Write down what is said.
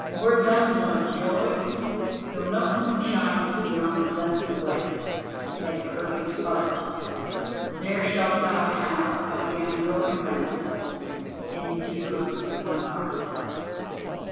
Were that not joy? Though no sun shines beyond the dusky west, Thy perfect part There shalt thou have of the unbroken rest; Endure, my heart!"